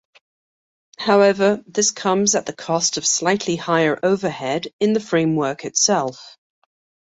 However, this comes at the cost of slightly higher overhead in the framework itself.